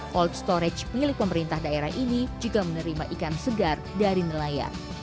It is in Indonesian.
cold storage milik pemerintah daerah ini juga menerima ikan segar dari nelayan